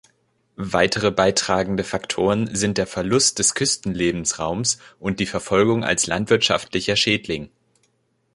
Weitere beitragende Faktoren sind der Verlust des Küstenlebensraums und die Verfolgung als landwirtschaftlicher Schädling.